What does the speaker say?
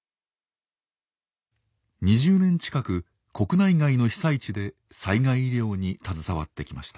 ２０年近く国内外の被災地で災害医療に携わってきました。